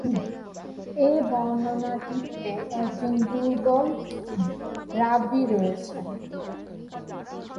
এ বর্ণনাটিতে একজন দুর্বল রাবী রয়েছেন।